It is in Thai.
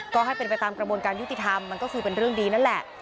ก็ให้เป็นไปตามกระบวนการยุติธรรมมันก็คือเป็นเรื่องดีนั่นแหละ